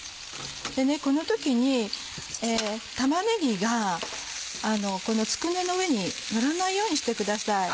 この時に玉ねぎがつくねの上にのらないようにしてください。